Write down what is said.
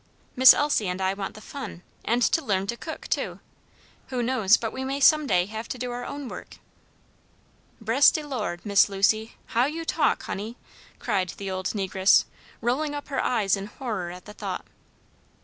Miss Elsie and I want the fun, and to learn to cook, too. Who knows but we may some day have to do our own work?" "Bress de Lord, Miss Lucy, how you talk, honey!" cried the old negress, rolling up her eyes in horror at the thought.